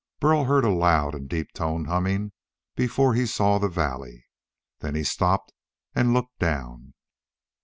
Burl heard a loud and deep toned humming before he saw the valley. Then he stopped and looked down.